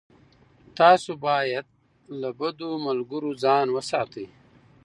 تاسو باید له بدو ملګرو ځان وساتئ.